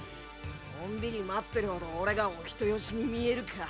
のんびり待ってるほど俺がお人よしに見えるか？」